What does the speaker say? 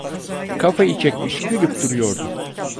Kafayı çekmiş, gülüp duruyordu!